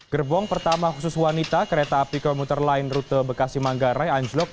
gerbong pertama khusus wanita kereta api komuter lain rute bekasi manggarai anjlok